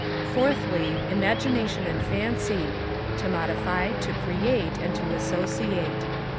4thly, Imagination and Fancy, to modify, to create, and to associate.